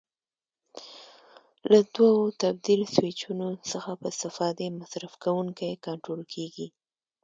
له دوو تبدیل سویچونو څخه په استفادې مصرف کوونکی کنټرول کېږي.